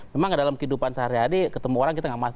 memang dalam kehidupan sarah jadi ketemu orang kita tidak mengerti